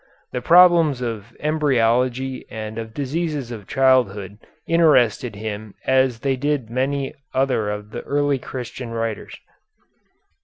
The problems of embryology and of diseases of childhood interested him as they did many other of the early Christian writers.